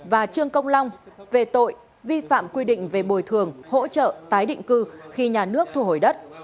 và trương công long về tội vi phạm quy định về bồi thường hỗ trợ tái định cư khi nhà nước thu hồi đất